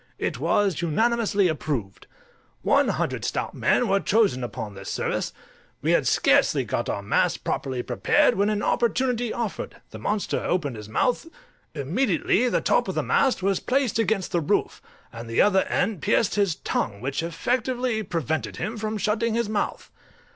It was unanimously approved. One hundred stout men were chosen upon this service. We had scarcely got our masts properly prepared when an opportunity offered; the monster opened his mouth, immediately the top of the mast was placed against the roof, and the other end pierced his tongue, which effectually prevented him from shutting his mouth.